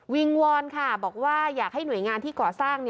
งวอนค่ะบอกว่าอยากให้หน่วยงานที่ก่อสร้าง